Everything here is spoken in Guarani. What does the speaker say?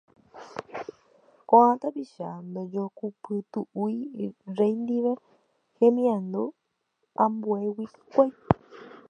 Ko'ã tapicha ndojokupytúi rey ndive hemiandu ambuégui hikuái.